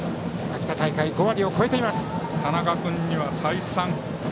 秋田大会５割を超えています。